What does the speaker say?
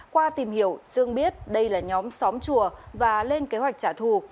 qua tìm hiểu dương biết đây là nhóm xóm chùa và lên kế hoạch trả thù